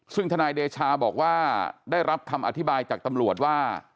ซึ่งทนายเดชาบอกว่าได้รับคำอธิบายจากตำรวจว่า